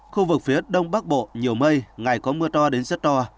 khu vực phía đông bắc bộ nhiều mây ngày có mưa to đến rất to